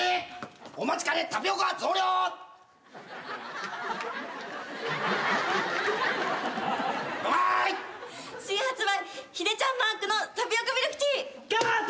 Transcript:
お待ちかねタピオカ増量」「うまい」「新発売ヒデちゃんマークのタピオカミルクティー」カット。